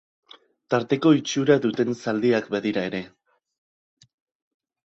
Tarteko itxura duten zaldiak badira ere.